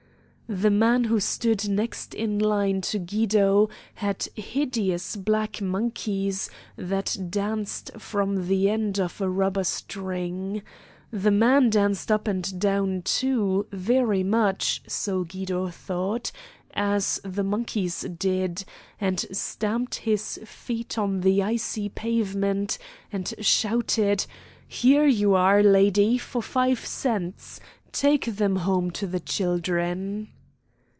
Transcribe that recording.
The man who stood next in line to Guido had hideous black monkeys that danced from the end of a rubber string. The man danced up and down too, very much, so Guido thought, as the monkeys did, and stamped his feet on the icy pavement, and shouted: "Here yer are, lady, for five cents. Take them home to the children."